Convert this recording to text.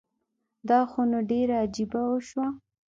دا خو نو ډيره عجیبه وشوه